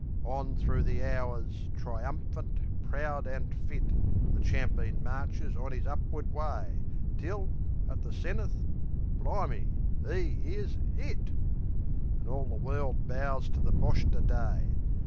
On thro' the hours, triumphant, proud an' fit, The champeen marches on 'is up'ard way, Till, at the zenith, bli'me! 'E is IT! And all the world bows to the Boshter Day.